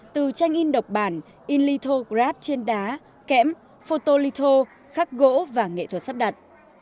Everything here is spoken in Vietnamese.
từ tranh in độc bản in little graph trên đá kẽm photo little khắc gỗ và nghệ thuật sắp đặt